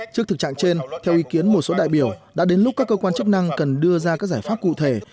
trước thực trạng trên theo ý kiến một số đại biểu đã đến lúc các cơ quan chức năng cần đưa ra các giải pháp cụ thể